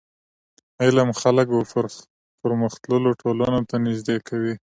علم خلک و پرمختللو ټولنو ته نژدي کوي.